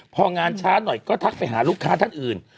พองานช้าหน่อยก็ทักไปหาลูกค้าท่านอื่น